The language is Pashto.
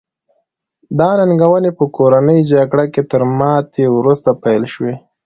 دا ننګونې په کورنۍ جګړه کې تر ماتې وروسته پیل شوې.